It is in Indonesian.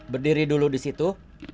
berdiri dulu disitu